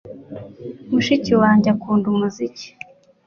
Mushiki wanjye akunda umuziki